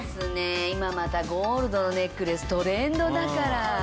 今またゴールドのネックレストレンドだから。